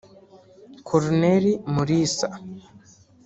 Col Mulisa